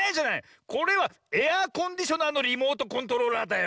これはエアコンディショナーのリモートコントローラーだよ。